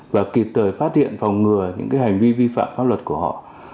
và kịp thời phát hiện phòng ngừa những hành vi vi phạm pháp luật của họ